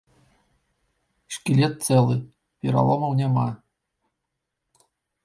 Шкілет цэлы, пераломаў няма.